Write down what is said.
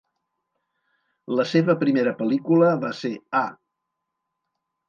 La seva primera pel·lícula va ser "Ah!"